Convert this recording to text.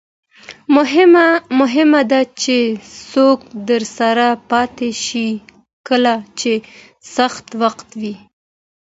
مهمه ده چې څوک درسره پاتې شي کله چې سخت وخت وي.